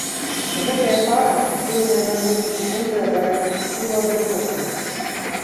Гэтая пара здольная на долю секунды абараніць скуру ад апёку.